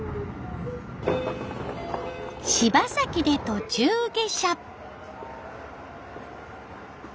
柴崎で途中下車。